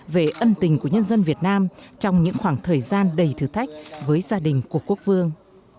về ân tình của nhân dân việt nam trong những khoảng thời gian đầy thử thách với gia đình của quốc vương